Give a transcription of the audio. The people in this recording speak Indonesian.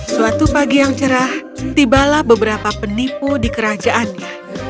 suatu pagi yang cerah tibalah beberapa penipu di kerajaannya